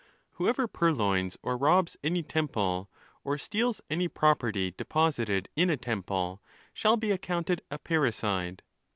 Whoever purloins or robs any temple, or steals any property deposited in a. temple, shall be accounted a parricide.